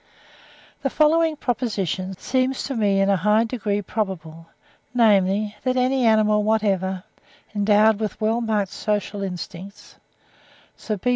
The following proposition seems to me in a high degree probable—namely, that any animal whatever, endowed with well marked social instincts (5. Sir B.